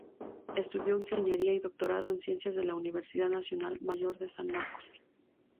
Estudió ingeniería y doctorado en Ciencias en la Universidad Nacional Mayor de San Marcos.